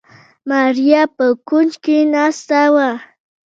ماريا په کونج کې ناسته وه.